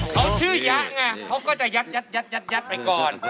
เขาชื่อยะไงเขาก็จะยัดไปก่อน